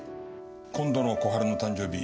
今度の小春の誕生日